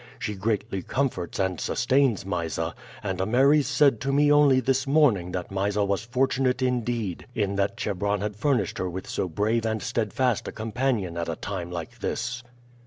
She greatly comforts and sustains Mysa, and Ameres said to me only this morning that Mysa was fortunate indeed in that Chebron had furnished her with so brave and steadfast a companion at a time like this."